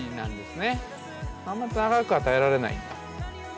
あんま長くは耐えられないんだ。